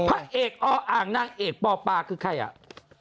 พระเอกออ่างนางเอกปปาคือใครอ่ะ